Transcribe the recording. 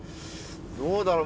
どうだろう？